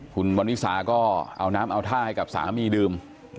คุณวรรณีศาก็อ่อน้ำอาวุท่าให้กับสามีดื่ม